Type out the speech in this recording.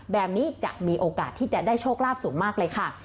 แบบนี้จะมีโอกาสที่จะได้โชคลาภสูงมากเลยค่ะ